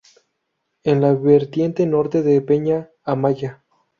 En la vertiente norte de Peña Amaya.